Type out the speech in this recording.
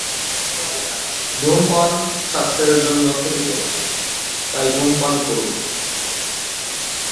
মূলত উইকিপিডিয়া-কে বিদ্রুপ করার জন্যই এই ওয়েবসাইটটি তৈরি করা হয়েছে।